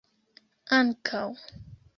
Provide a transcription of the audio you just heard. ankaŭ